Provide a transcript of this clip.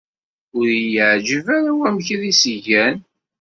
Ur iyi-yeɛjib ara wamek ay as-gan.